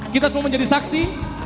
kita semua menjadi saksi